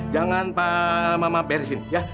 jangan pa mama beresin ya